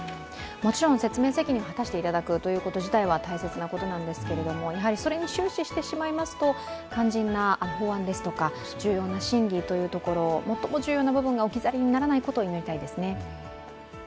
もちろん説明責任を果たしていただくということ自体は大切ですけれどもやはりそれに終始してしまいますと肝心な法案ですとか重要な審議というところ、最も重要な部分が置き去りにならないことを祈りたいですね。